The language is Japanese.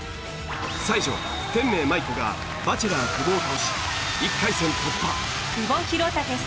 才女天明麻衣子がバチェラー久保を倒し１回戦突破。